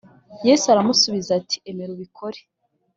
Yesu aramusubiza ati “Emera ubikore